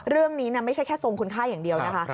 เรื่องนี้ไม่ใช่แค่ทรงคุณค่าอย่างเดียวนะคะ